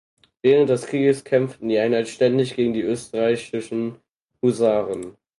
Während des Krieges kämpften die Einheit ständig gegen die österreichischen Husaren.